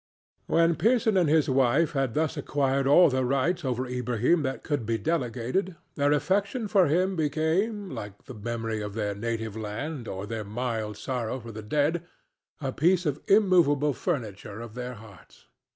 When Pearson and his wife had thus acquired all the rights over Ilbrahim that could be delegated, their affection for him became, like the memory of their native land or their mild sorrow for the dead, a piece of the immovable furniture of their hearts.